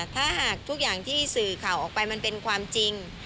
ถ้าหากทุกอย่างที่สื่อข่าวออกไปมันเป็นความจริง